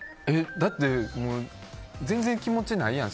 だって、全然気持ちないやん。